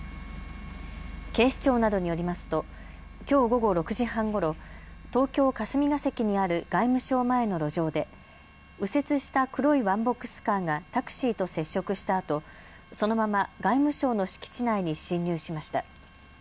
警視庁などによりますときょう午後６時半ごろ、東京霞が関にある外務省前の路上で右折した黒いワンボックスカーがタクシーと接触したあとそのまま外務省の敷地内に侵入しました。